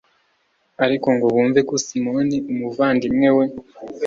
ariko ngo bumve ko simoni, umuvandimwe we